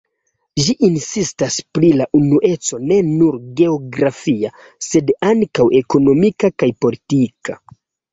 Ĝi insistas pri la unueco ne nur geografia, sed ankaŭ ekonomika kaj politika.